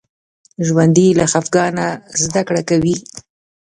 ژوندي له خفګانه زده کړه کوي